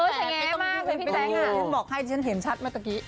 ฉันบอกให้ฉันเห็นชัดไหมตะกี้